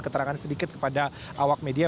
keterangan sedikit kepada awak media